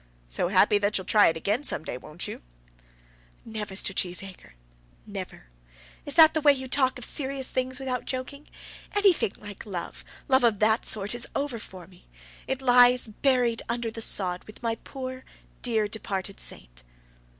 "So happy that you'll try it again some day; won't you?" "Never, Mr. Cheesacre; never. Is that the way you talk of serious things without joking? Anything like love love of that sort is over for me. It lies buried under the sod with my poor dear departed saint."